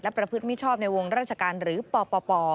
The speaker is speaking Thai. ประพฤติมิชชอบในวงราชการหรือปป